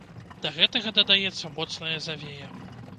Да гэтага дадаецца моцная завея.